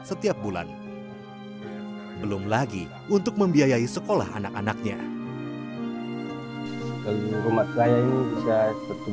setiap bulan belum lagi untuk membiayai sekolah anak anaknya seluruh rumah saya ini bisa